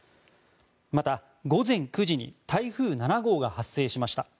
また、午前９時に台風７号が発生しました。